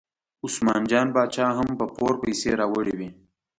عثمان جان باچا هم په پور پیسې راوړې وې.